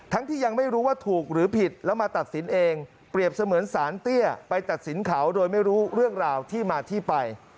ที่ยังไม่รู้ว่าถูกหรือผิดแล้วมาตัดสินเองเปรียบเสมือนสารเตี้ยไปตัดสินเขาโดยไม่รู้เรื่องราวที่มาที่ไป